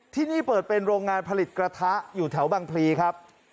ที่นี่เปิดเป็นโรงงานผลิตกระทะอยู่แถวบังพลีครับ